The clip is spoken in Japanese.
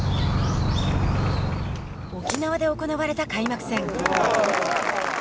沖縄で行われた開幕戦。